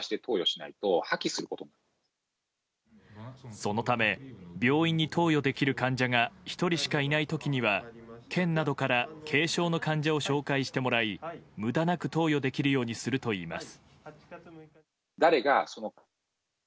そのため病院に投与できる患者が１人しかいない時には県などから軽症の患者を紹介してもらい無駄なく投与できるようにするといいます。